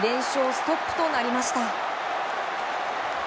ストップとなりました。